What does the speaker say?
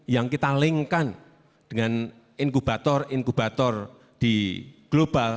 yang kita link kan dengan inkubator inkubator di global